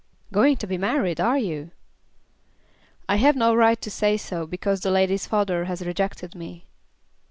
"Going to be married, are you?" "I have no right to say so, because the lady's father has rejected me."